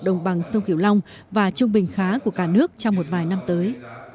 đồng bằng sông kiểu long và trung bình khá của cả nước trong một vài năm tới